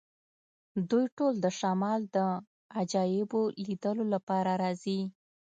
دوی ټول د شمال د عجایبو لیدلو لپاره راځي